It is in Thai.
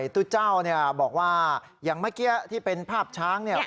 ตู้เจ้าบอกว่าอย่างเมื่อกี้ที่เป็นภาพช้าง